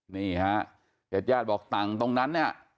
นี่ฮะเจ็ดญาติบอกต่างตรงนั้น